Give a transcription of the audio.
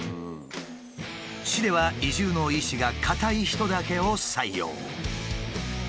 市では移住の意志が固い人だけを採用。